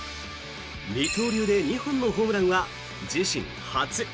二刀流で２本のホームランは自身初。